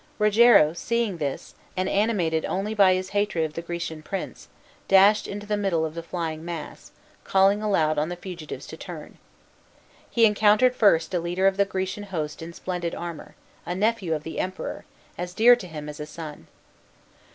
Rogero, seeing this, and animated only by his hatred of the Grecian prince, dashed into the middle of the flying mass, calling aloud on the fugitives to turn. He encountered first a leader of the Grecian host in splendid armor, a nephew of the Emperor, as dear to him as a son.